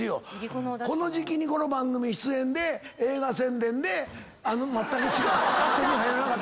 この時季にこの番組出演で映画宣伝であの松茸しか手に入らなかっただけのこと。